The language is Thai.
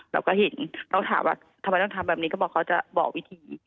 เราก็เห็นเราถามว่าทำไมต้องทำแบบนี้ก็บอกเขาจะบอกวิธี